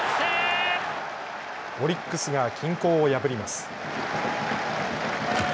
オリックスが均衡を破ります。